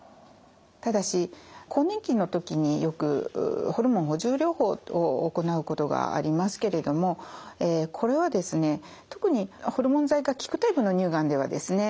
ただし更年期の時によくホルモン補充療法を行うことがありますけれどもこれはですね特にホルモン剤が効くタイプの乳がんではですね